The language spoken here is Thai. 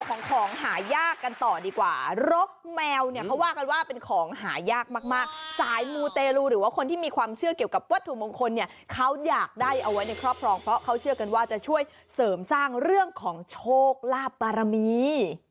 ของของหายากกันต่อดีกว่ารกแมวเนี่ยเขาว่ากันว่าเป็นของหายากมากมากสายมูเตรลูหรือว่าคนที่มีความเชื่อเกี่ยวกับวัตถุมงคลเนี่ยเขาอยากได้เอาไว้ในครอบครองเพราะเขาเชื่อกันว่าจะช่วยเสริมสร้างเรื่องของโชคลาภบารมี